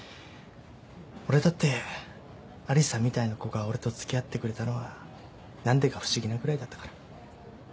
俺だってアリサみたいな子が俺とつきあってくれたのは何でか不思議なくらいだったから。